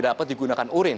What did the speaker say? dapat digunakan urin